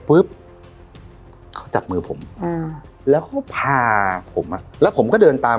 ปุ๊บเขาจับมือผมอ่าแล้วเขาพาผมอ่ะแล้วผมก็เดินตาม